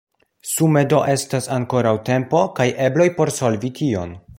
Sume do estas ankoraŭ tempo kaj ebloj por solvi tion.